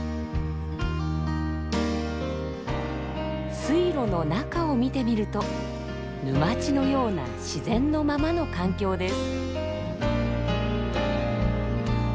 水路の中を見てみると沼地のような自然のままの環境です。